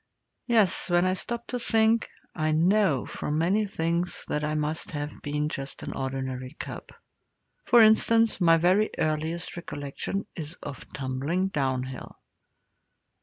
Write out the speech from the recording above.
Yes, when I stop to think, I know, from many things, that I must have been just an ordinary cub. For instance, my very earliest recollection is of tumbling downhill.